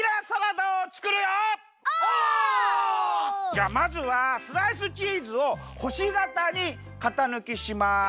じゃあまずはスライスチーズをほしがたにかたぬきします。